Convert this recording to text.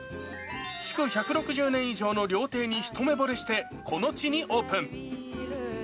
築１６０年以上の料亭に一目ぼれして、この地にオープン。